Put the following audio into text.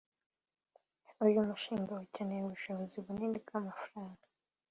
uyu mushinga ukenera ubushobozi bunini bw’amafaranga